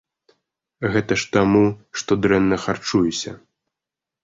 Гэта ж таму, што дрэнна харчуюся.